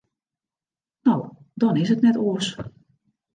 No, dan is it net oars.